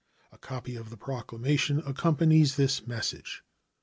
A copy of the proclamation accompanies this message.